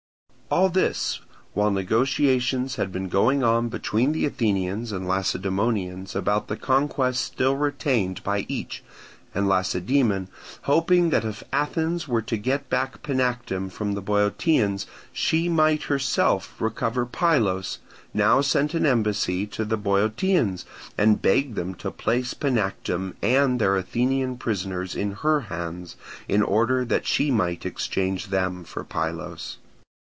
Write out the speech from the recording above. All this while negotiations had been going on between the Athenians and Lacedaemonians about the conquests still retained by each, and Lacedaemon, hoping that if Athens were to get back Panactum from the Boeotians she might herself recover Pylos, now sent an embassy to the Boeotians, and begged them to place Panactum and their Athenian prisoners in her hands, in order that she might exchange them for Pylos.